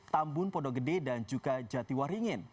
tambun pondok gede dan juga jatiwaringin